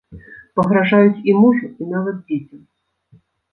Пагражаюць і мужу, і нават дзецям.